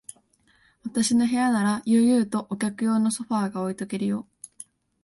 私の部屋なら、悠々とお客用のソファーが置いとけるよ。